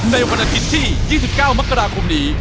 ในวันอาทิตย์ที่๒๙มกราคมนี้